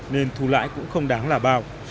nên thù lại cũng không đáng làm